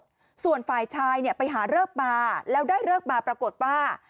คนจัดทั้งหมดส่วนฝ่ายชายเนี่ยไปหาเลิกมาแล้วได้เลิกมาปรากฏว่า